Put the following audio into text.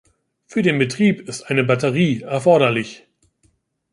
Für den Betrieb ist eine Batterie erforderlich.